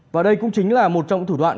và đây cũng chính là một trong thủ đoạn